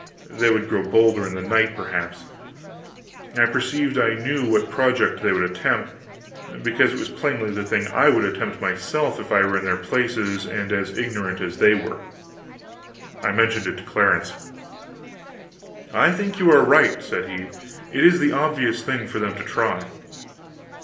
They would grow bolder in the night, perhaps. I believed I knew what project they would attempt, because it was plainly the thing I would attempt myself if I were in their places and as ignorant as they were. I mentioned it to Clarence. "I think you are right," said he; "it is the obvious thing for them to try."